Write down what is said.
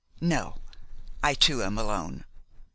"No. I too am alone."